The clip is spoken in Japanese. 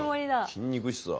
筋肉質だ。